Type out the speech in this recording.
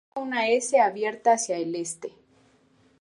Dibuja una S abierta hacia el este.